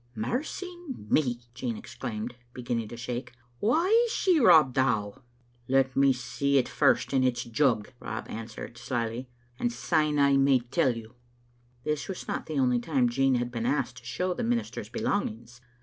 "Mercy me!" Jean exclaimed, beginning to shake; " wha is she, Rob Dow?" " Let me see it first in its jug," Rob answered, slyly, "and S3me I may tell you." This was not the only time Jean had been asked to show the minister's belongings.